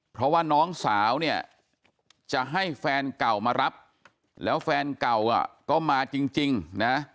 เพราะว่าน้องสาวเนี่ยจะให้แฟนเก่ามารับแล้วแฟนเก่าก็มาจริงนะ